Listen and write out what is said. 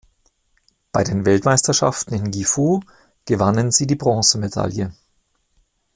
Bei den Weltmeisterschaften in Gifu gewannen sie die Bronzemedaille.